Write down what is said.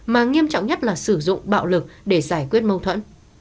mà nghiêm trọng nhất là sử dụng bạo lực để giải quyết mâu thuẫn